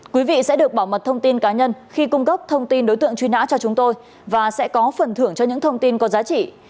quý vị sẽ được bảo mật thông tin cá nhân khi cung cấp thông tin đối tượng truy nã cho chúng tôi và sẽ có phần thưởng cho những thông tin có giá trị